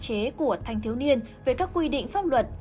hạn chế của thanh thiếu niên về các quy định pháp luật